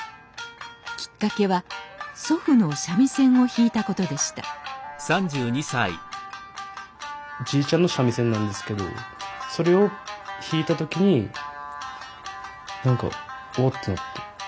きっかけは祖父の三味線を弾いたことでしたじいちゃんの三味線なんですけどそれを弾いた時に何か「おっ」と思って。